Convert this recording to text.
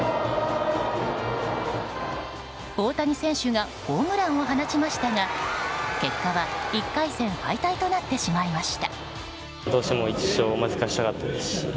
大谷選手がホームランを放ちましたが結果は１回戦敗退となってしまいました。